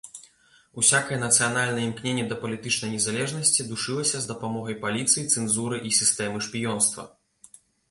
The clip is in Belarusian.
Усякае нацыянальнае імкненне да палітычнай незалежнасці душылася з дапамогай паліцыі, цэнзуры і сістэмы шпіёнства.